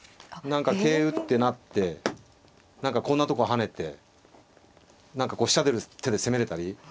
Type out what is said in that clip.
何か桂打って成って何かこんなとこ跳ねて何かこう飛車出る手で攻めれたり。